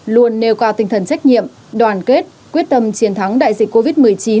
luôn nêu cao tinh thần trách nhiệm đoàn kết quyết tâm chiến thắng đại dịch covid một mươi chín